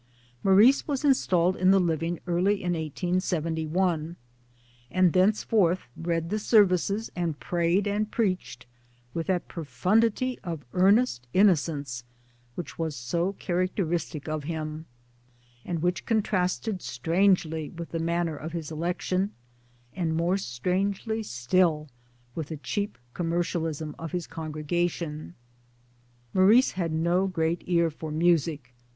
Maurice was installed in the living early in 1871, and thenceforth read the services and prayed and preached, with that profundity of earnest innocence which was so characteristic of him, and which con trasted strangely with the manner of his election, and more strangely still with the cheap commercialism of his congregation. Maurice had no great ear for music.